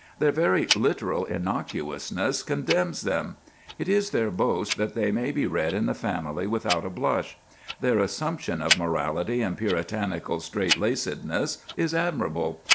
Their very literal innocuousness condemns them. It is their boast that they may be read in the family without a blush. Their assumption of morality and puritanical straitlacedness is admirable.